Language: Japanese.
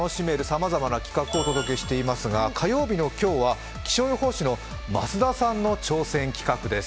様々な企画」をお届けしていますが火曜日の今日は気象予報士の増田さんの挑戦企画です。